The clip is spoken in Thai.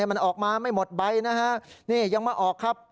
มันออกมาไม่หมดใบนะฮะนี่ยังมาออกครับ